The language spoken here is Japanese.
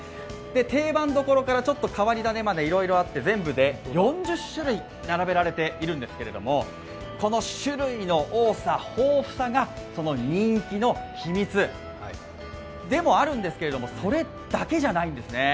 定番どころから、ちょっと変わり種もあって、全部で４０種類並べられているんですけれども、この種類の多さ、豊富さがその人気の秘密でもあるんですけれども、それだけじゃないんですね。